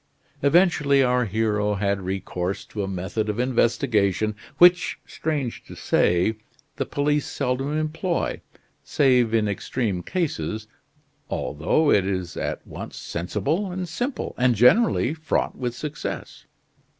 Eventually our hero had recourse to a method of investigation which, strange to say, the police seldom employ, save in extreme cases, although it is at once sensible and simple, and generally fraught with success.